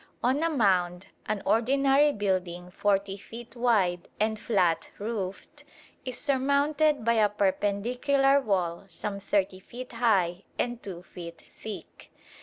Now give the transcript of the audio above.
On a mound an ordinary building 40 feet wide and flat roofed is surmounted by a perpendicular wall some 30 feet high and 2 feet thick.